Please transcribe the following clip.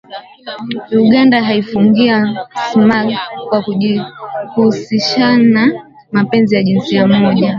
Uganda yaifungia smug kwa kujihusishanna mapenzi ya jinsia moja